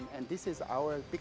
dan ini adalah